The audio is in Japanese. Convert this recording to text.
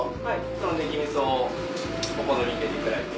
そのネギ味噌をお好みで入れていただいて。